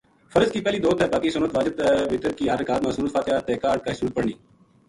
فرض کی پہلی دو تے باقی سنت ،واجب تے وتر کی ہر رکات ما سورت فاتحہ تے کاہڈ کائے سورت پڑھنی